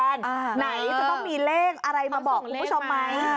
ไหนจะต้องมีเลขอะไรมาบอกคุณผู้ชมไหม